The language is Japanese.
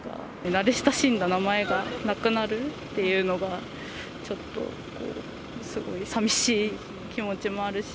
慣れ親しんだ名前がなくなるっていうのが、ちょっとこう、すごいさみしい気持ちもあるし。